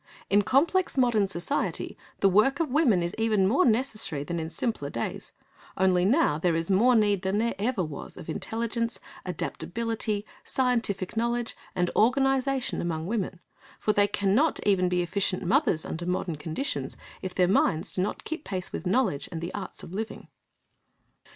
In complex modern society the work of women is even more necessary than in simpler days; only now there is more need than ever there was of intelligence, adaptability, scientific knowledge and organisation among women, for they cannot even be efficient mothers under modern conditions if their minds do not keep pace with knowledge and the arts of living.